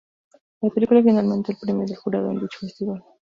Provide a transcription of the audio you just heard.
La película finalmente el Premio del Jurado en dicho festival.